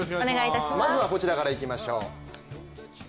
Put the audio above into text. まずはこちらからいきましょう。